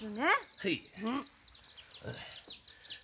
はい。